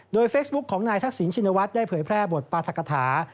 โดยเฟซบุ๊คของนายทักษิณชินวัฒน์ได้เผยแพร่บทปราธกฐา